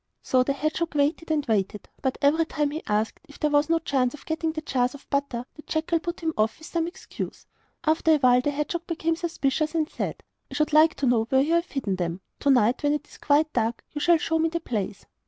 So the hedgehog waited and waited; but every time he asked if there was no chance of getting jars of butter the jackal put him off with some excuse. After a while the hedgehog became suspicious, and said: 'I should like to know where you have hidden them. To night, when it is quite dark, you shall show me the place.